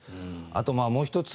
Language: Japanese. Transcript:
あと、もう１つ